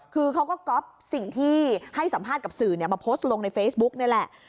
คือเขาก็ก๊อฟสิ่งที่ให้สัมภาษณ์กับสื่อมาโพสต์ลงในเฟซบุ๊กนี่แหละ